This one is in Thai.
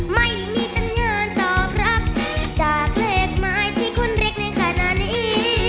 ไม่มีสัญญาณตอบรับจากเลขหมายที่คนเล็กในขณะนี้